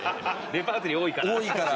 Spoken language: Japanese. レパートリー多いから。